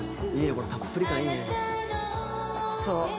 このたっぷり感、いいね。